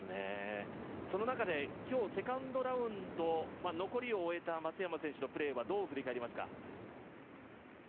その中で今日、セカンドラウンド、残りを終えた松山選手のプレーはどう見られますか？